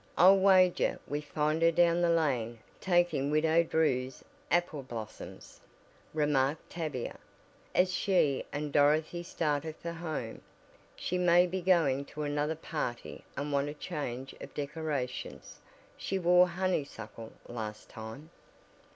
"I'll wager we find her down the lane taking Widow Drew's apple blossoms," remarked Tavia, as she and Dorothy started for home. "She may be going to another party and want a change of decorations, she wore honey suckle last time."